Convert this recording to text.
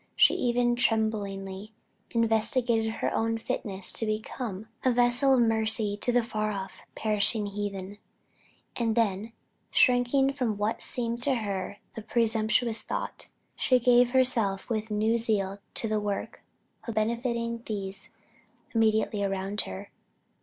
She even tremblingly investigated her own fitness to became a vessel of mercy to the far off, perishing heathen; and then, shrinking from what seemed to her the presumptuous thought, she gave herself with new zeal to the work of benefitting these immediately around her.